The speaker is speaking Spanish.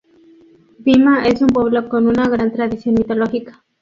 Dima es un pueblo con una gran tradición mitológica.